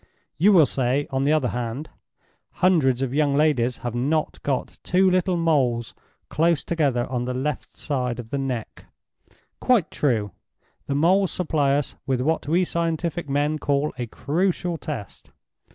You will say, on the other hand, hundreds of young ladies have not got two little moles close together on the left side of the neck. Quite true. The moles supply us with what we scientific men call a Crucial Test.